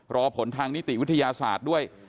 รอผลทางนิติวิทยาศาสตร์ด้วย